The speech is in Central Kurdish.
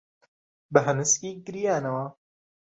بە هەنسکی گریانەوە